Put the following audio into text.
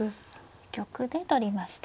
玉で取りました。